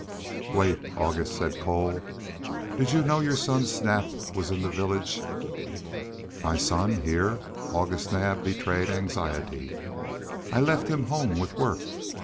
"Wait, August," said Cole. "Did you know your son Snap was in the village?" "My son here!" August Naab betrayed anxiety. "I left him home with work.